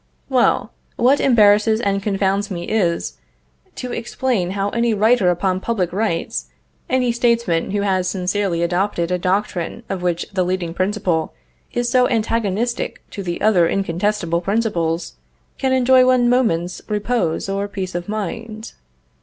Well, what embarrasses and confounds me is, to explain how any writer upon public rights, any statesman who has sincerely adopted a doctrine of which the leading principle is so antagonistic to other incontestable principles, can enjoy one moment's repose or peace of mind.